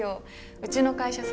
うちの会社さ